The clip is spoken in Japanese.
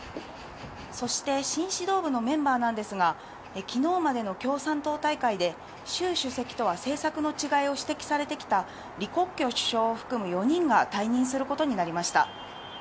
そして新指導部のメンバーなんですが、昨日までの共産党大会でシュウ主席とは政策の違いを指摘されてきたリ・コッキョウ首相を含む４人が退任することになりました。